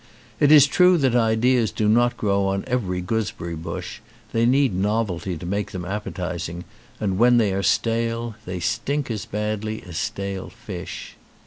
It is true that ideas do not grow on every gooseberry bush, they need novelty to make them appetising, and when they are stale they stink as badly as stale fish.